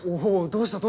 どうした？